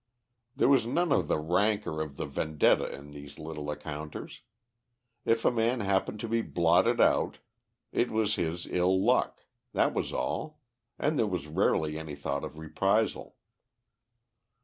There was none of the rancour of the vendetta in these little encounters; if a man happened to be blotted out, it was his ill luck, that was all, and there was rarely any thought of reprisal.